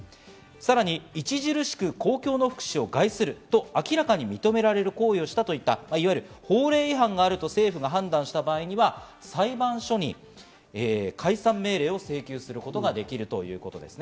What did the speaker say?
さらに著しく公共の福祉を害すると明らかに認められる行為をしたといった、いわゆる法令違反があると政府が判断した場合には裁判所に解散命令を請求することができるということです。